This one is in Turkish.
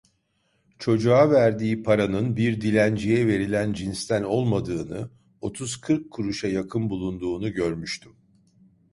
Çocuğa verdiği paranın, bir dilenciye verilen cinsten olmadığını, otuz kırk kuruşa yakın bulunduğunu görmüştüm.